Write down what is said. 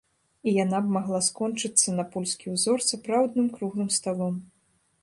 І яна б магла скончыцца на польскі ўзор сапраўдным круглым сталом.